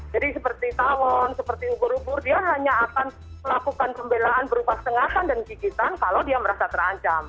jadi seperti tawon seperti ubur ubur dia hanya akan melakukan pembelaan berupa setengahkan dan gigitan kalau dia merasa terancam